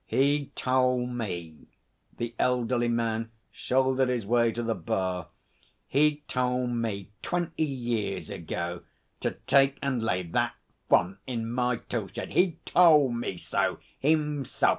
'He tole me,' the elderly man shouldered his way to the bar 'he tole me twenty years ago to take an' lay that font in my tool shed. He tole me so himself.